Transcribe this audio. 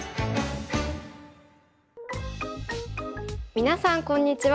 皆さんこんにちは。